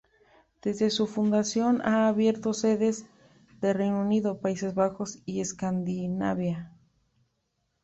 Desde su fundación ha abierto sedes en Reino Unido, Países Bajos y Escandinavia.